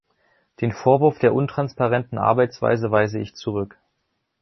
Den Vorwurf der untransparenten Arbeitsweise weise ich zurück.